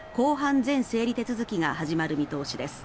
前整理手続きが始まる見通しです。